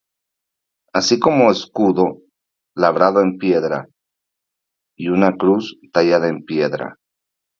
Así como un escudo labrado en piedra y una cruz tallada en piedra.